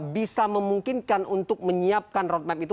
bisa memungkinkan untuk menyiapkan roadmap itu